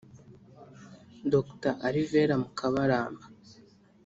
Dr Alvera Mukabaramba